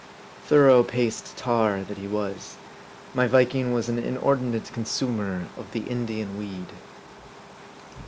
Thorough paced tar that he was, my Viking was an inordinate consumer of 68 M A R D I. the Indian weed.